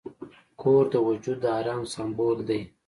کور د وجود د آرام سمبول دی.